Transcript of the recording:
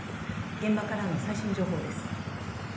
現場からの最新情報です。